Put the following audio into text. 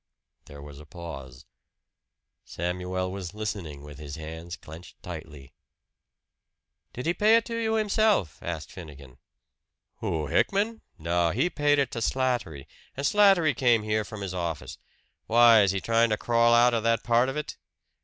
There was a pause. Samuel was listening with his hands clenched tightly. "Did he pay it to you himself?" asked Finnegan. "Who, Hickman? No, he paid it to Slattery, and Slattery came here from his office. Why, is he trying to crawl out of that part of it?"